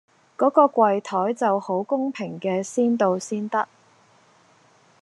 嗰個櫃檯就好公平嘅先到先得